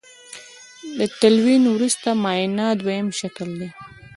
د تلوین وروسته معاینه دویم شکل دی.